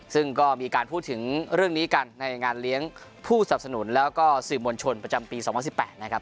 ซึ่งก็มีการพูดถึงเรื่องนี้กันในงานเลี้ยงผู้สับสนุนแล้วก็สื่อมวลชนประจำปี๒๐๑๘นะครับ